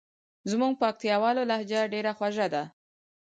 زموږ پکتیکاوالو لهجه ډېره خوژه ده.